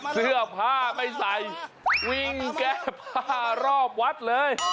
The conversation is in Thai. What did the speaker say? เสื้อผ้าไม่ใส่วิ่งแก้ผ้ารอบวัดเลย